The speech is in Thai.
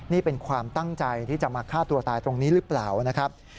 นี่เป็นความตั้งใจที่จะมาฆ่าตัวตายตรงนี้หรือเปล่านะครับ